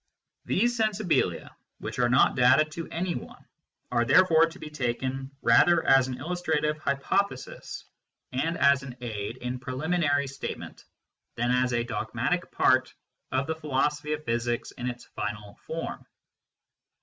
These " sensibilia " which are not data to anyone are therefore to be taken rather as an illustrative hypothesis and as an aid in preliminary statement than as a dogmatic part of the philosophy of physics in its final form.